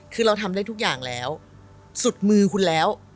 คือเราทำได้ทุกอย่างแล้วสุดมือคุณแล้ว